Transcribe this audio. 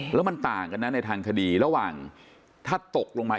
แล้วมันต่างกันนะในทางคดีระหว่างถ้าตกลงมา